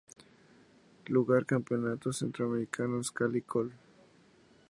Lugar Campeonato Centroamericanos Cali, Col.